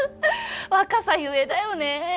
若さゆえだよね。